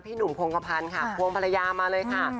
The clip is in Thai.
พี่หนุ่มโครงคภัณฑ์ค่ะภวงภรรยามาเลยค่ะ